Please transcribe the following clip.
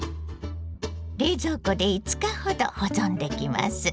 冷蔵庫で５日ほど保存できます。